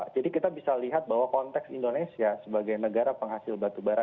jadi kita bisa lihat bahwa konteks indonesia sebagai negara penghasil batubara